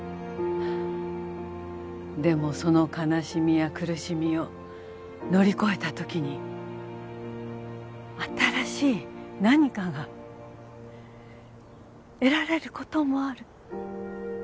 でもその悲しみや苦しみを乗り越えた時に新しい何かが得られる事もある。